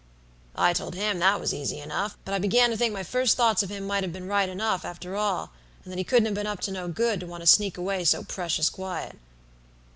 "I told him that was easy enough, but I began to think my first thoughts of him might have been right enough, after all, and that he couldn't have been up to no good to want to sneak away so precious quiet.